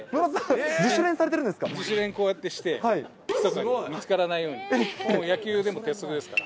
自主練こうやってして、ひそかに、見つからないように、野球でも鉄則ですから。